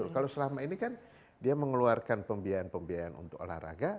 kalau selama ini kan dia mengeluarkan pembiayaan pembiayaan untuk olahraga